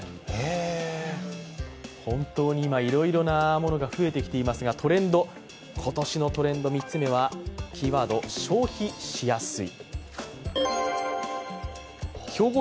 本当に今、いろいろなものが増えてきていますが今年のトレンド３つ目はキーワード、消費しやすい。